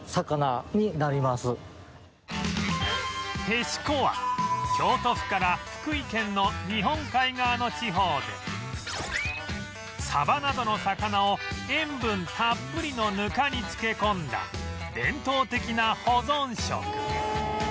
へしこは京都府から福井県の日本海側の地方でサバなどの魚を塩分たっぷりのぬかに漬け込んだ伝統的な保存食